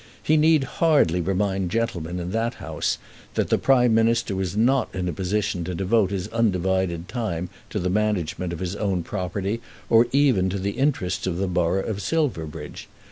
He need hardly remind gentlemen in that House that the Prime Minister was not in a position to devote his undivided time to the management of his own property, or even to the interests of the Borough of Silverbridge.